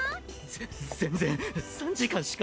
全然３時間しか。